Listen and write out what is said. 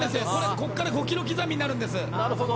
ここから５キロ刻みになるんです。